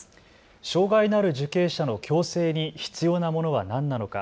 障害のある受刑者の矯正に必要なものは何なのか。